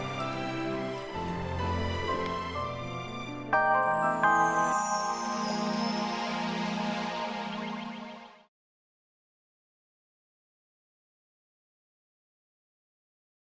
kybun disitu locknya istriku habit